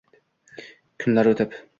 Kunlar o’tib